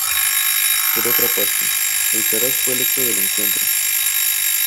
Por otra parte, Alcaraz fue electo del encuentro.